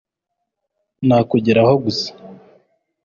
nakugeraho gusa